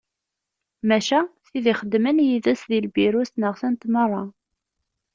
Maca, tid ixeddmen yid-s di lbiru ssneɣ-tent merra.